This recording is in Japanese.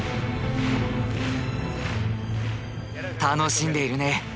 楽しんでいるね。